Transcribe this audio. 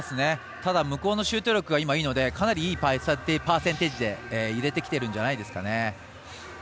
ただ、向こうのシュート力がいいのでかなりいいパーセンテージで入れてきてるんじゃないでしょうか。